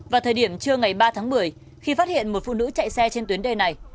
vào thời điểm trưa ngày ba tháng một mươi khi phát hiện một phụ nữ chạy xe trên tuyến đê này